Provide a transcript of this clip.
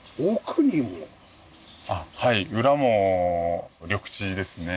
はい裏も緑地ですね。